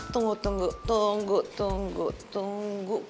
tunggu tunggu tunggu tunggu